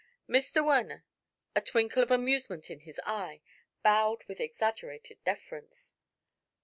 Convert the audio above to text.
Mr. Werner, a twinkle of amusement in his eye, bowed with exaggerated deference.